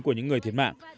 của những người thiệt mạng